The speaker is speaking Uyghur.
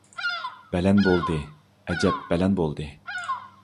بەلەن بولدى، ئەجەپ بەلەن بولدى!